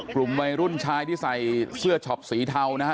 กลุ่มวัยรุ่นชายที่ใส่เสื้อช็อปสีเทานะฮะ